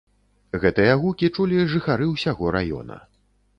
Гэтыя гукі чулі жыхары ўсяго раёна.